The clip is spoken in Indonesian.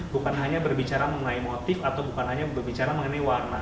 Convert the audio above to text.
bukan hanya berbicara mengenai motif atau bukan hanya berbicara mengenai warna